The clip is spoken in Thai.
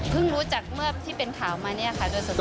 เพิ่งรู้จักเมื่อที่เป็นข่าวมาเนี่ยค่ะ